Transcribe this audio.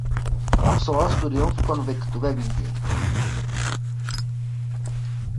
Absolvoval studium v konviktu ve Vídni.